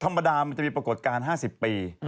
ธรรมดามันจะมีประกอบการ๕๐ปี